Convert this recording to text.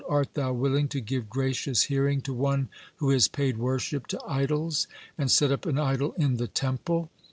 Art Thou willing to give gracious hearing to one who has paid worship to idols, and set up an idol in the Temple?"